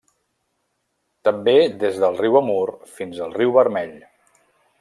També des del riu Amur fins al riu Vermell.